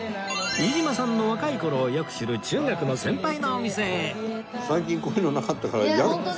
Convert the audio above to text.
飯島さんの若い頃をよく知る中学の先輩のお店へ